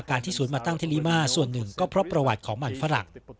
ที่ศูนย์มาตั้งที่ลิมาส่วนหนึ่งก็เพราะประวัติของมันฝรั่ง